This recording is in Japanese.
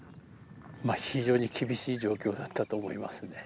まあ非常に厳しい状況だったと思いますね。